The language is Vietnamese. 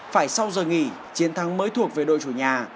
phải sau giờ nghỉ chiến thắng mới thuộc về đội chủ nhà